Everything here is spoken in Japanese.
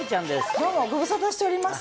どうもご無沙汰しております。